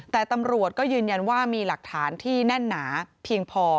แต่ตำรวจก็ยืนยันว่ามีหลักฐานที่แน่นหนาเพียงพอ